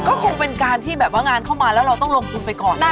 ก็คงเป็นการที่แบบว่างานเข้ามาแล้วเราต้องลงทุนไปก่อน